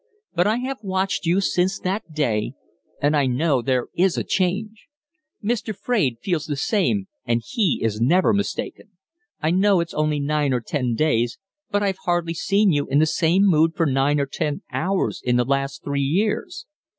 But I have watched you since that day, and I know there is a change. Mr. Fraide feels the same, and he is never mistaken. I know it's only nine or ten days, but I've hardly seen you in the same mood for nine or ten hours in the last three years."